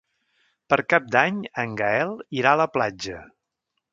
Per Cap d'Any en Gaël irà a la platja.